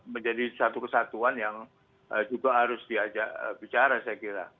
menjadi satu kesatuan yang juga harus diajak bicara saya kira